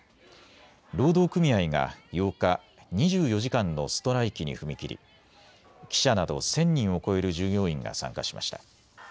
労働組合が８日、２４時間のストライキに踏み切り記者など１０００人を超える従業員が参加しました。